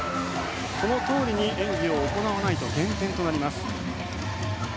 そのとおりに演技を行わないと減点となります。